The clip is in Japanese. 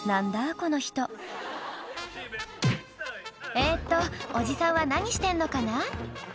この人えっとおじさんは何してんのかな？